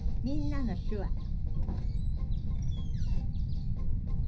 「みんなの手話」